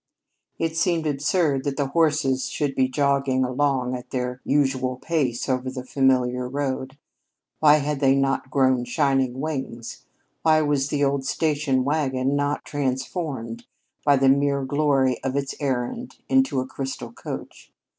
It seemed absurd that the horses should be jogging along at their usual pace over the familiar road. Why had they not grown shining wings? Why was the old station wagon not transformed, by the mere glory of its errand, into a crystal coach?